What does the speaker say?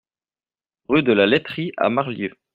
Rue de la Laiterie à Marlieux